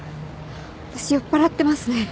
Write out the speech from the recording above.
私酔っぱらってますね